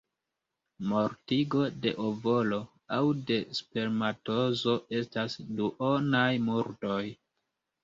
Mortigo de ovolo aŭ de spermatozoo estas duonaj murdoj.